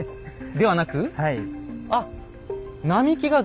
ではなく？